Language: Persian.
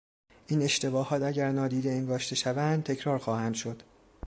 این اشتباهات اگر نادیده انگاشته شوند تکرار خواهند شد.